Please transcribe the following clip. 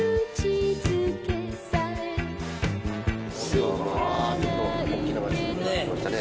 ちょっとおっきな街に来ましたね。